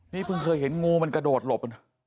นี่เพิ่งเคยเห็นงูมันกระโดดหลบ